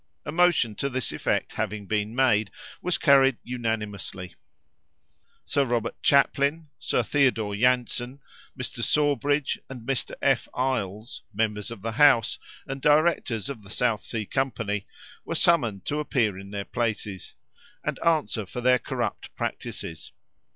A motion to this effect having been made, was carried unanimously. Sir Robert Chaplin, Sir Theodore Janssen, Mr. Sawbridge, and Mr. F. Eyles, members of the House, and directors of the South Sea company, were summoned to appear in their places, and answer for their corrupt practices.